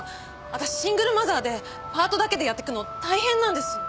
私シングルマザーでパートだけでやっていくの大変なんです。